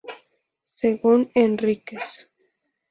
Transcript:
Según Henriquez.